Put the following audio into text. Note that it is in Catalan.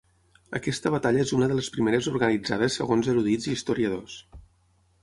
Aquesta batalla és una de les primeres organitzades segons erudits i historiadors.